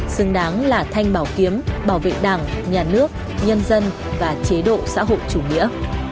xứng đáng là thanh bảo kiếm bảo vệ đảng nhà nước nhân dân và chế độ xã hội chủ nghĩa